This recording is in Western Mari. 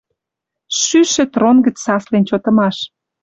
Шӱшӹ трон гӹц саслен чотымаш: